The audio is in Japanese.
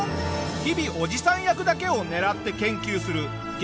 日々おじさん役だけを狙って研究する激